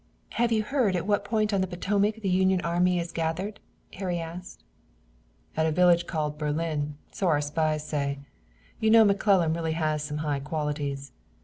"Have you heard at what point on the Potomac the Union army is gathered?" Harry asked. "At a village called Berlin, so our spies say. You know McClellan really has some high qualities.